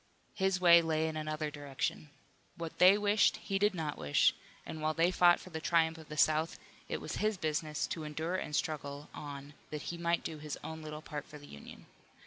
His way lay in another direction. What they wished he did not wish, and while they fought for the triumph of the South it was his business to endure and struggle on that he might do his own little part for the Union.